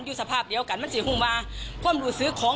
ช่วยเร่งจับตัวคนร้ายให้ได้โดยเร่ง